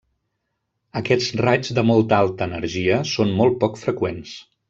Aquests raigs de molta alta energia són molt poc freqüents.